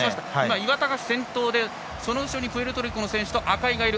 岩田が先頭でその後ろにプエルトリコの選手と赤井がいる。